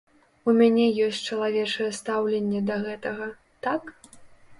У мяне ёсць чалавечае стаўленне да гэтага, так?